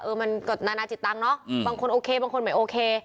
มันก็นานาจิตตังค์เนอะบางคนโอเคบางคนไม่โอเค